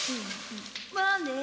まあね。